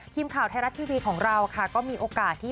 คิมข่าวไทยรัฐทีวีดีโน้ทของเราก็มีโอกาสที่